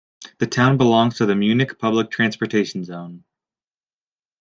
The town belongs to the Munich public transportation zone.